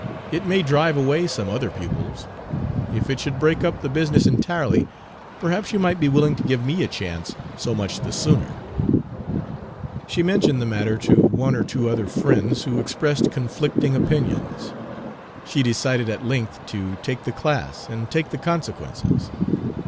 It may Page 37 drive away some other pupils. If it should break up the business entirely, perhaps you might be willing to give me a chance so much the sooner." She mentioned the matter to one or two other friends, who expressed conflicting opinions. She decided at length to take the class, and take the consequences.